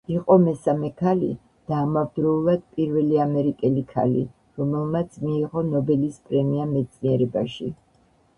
იყო მესამე ქალი, და ამავდროულად პირველი ამერიკელი ქალი, რომელმაც მიიღო ნობელის პრემია მეცნიერებაში.